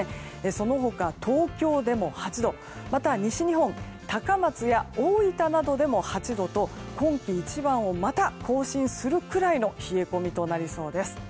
その他、東京でも８度また西日本高松や大分でも８度と今季一番をまた更新するくらいの冷え込みとなりそうです。